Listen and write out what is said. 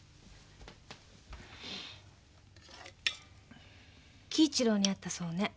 輝一郎に会ったそうね。